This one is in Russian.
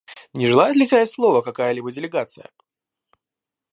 Не желает ли взять слово какая-либо делегация?